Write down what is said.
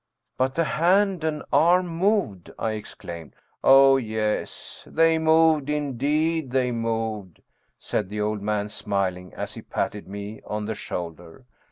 " But the hand and arm moved," I exclaimed. " Oh, yes, they moved, indeed they moved," said the old man smiling, as he patted me on the shoulder.